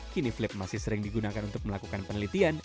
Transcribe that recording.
kini flip masih sering digunakan untuk melakukan penelitian